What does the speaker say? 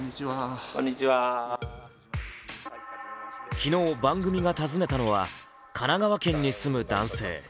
昨日、番組が訪ねたのは神奈川県に住む男性。